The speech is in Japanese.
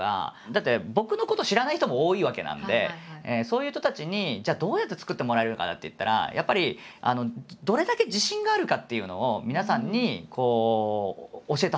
だって僕のこと知らない人も多いわけなんでそういう人たちにじゃあどうやって作ってもらえるかなっていったらやっぱり「どれだけ自信があるか」？